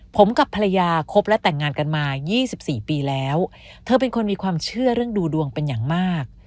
ผมกับภรรยาคบและแต่งงานกันมา๒๔ปีแล้วเธอเป็นคนมีความเชื่อเรื่องดูดวงเป็นอย่างมาก